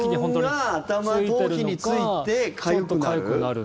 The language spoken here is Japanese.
花粉が頭皮についてかゆくなる？